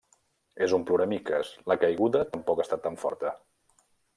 És un ploramiques: la caiguda tampoc ha estat tan forta.